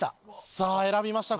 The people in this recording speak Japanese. さあ選びました